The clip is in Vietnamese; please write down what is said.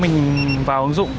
mình vào ứng dụng